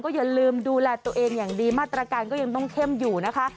อย่าลืมดูแลตัวเองอย่างดีมาตรการก็ยังต้องเข้มอยู่นะคะ